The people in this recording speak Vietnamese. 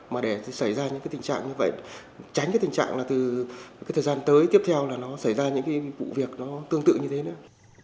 mà để xảy ra những tình trạng như vậy tránh tình trạng là từ thời gian tới tiếp theo xảy ra những vụ việc tương tự như thế nữa